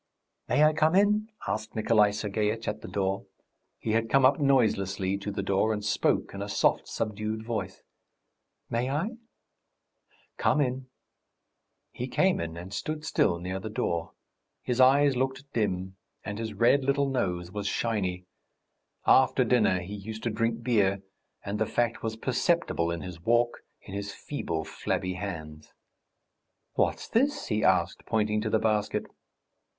"May I come in?" asked Nikolay Sergeitch at the door; he had come up noiselessly to the door, and spoke in a soft, subdued voice. "May I?" "Come in." He came in and stood still near the door. His eyes looked dim and his red little nose was shiny. After dinner he used to drink beer, and the fact was perceptible in his walk, in his feeble, flabby hands. "What's this?" he asked, pointing to the basket.